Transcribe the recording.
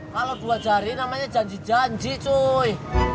kalau dua jari namanya janji janji cuy